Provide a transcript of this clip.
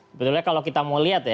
sebetulnya kalau kita mau lihat ya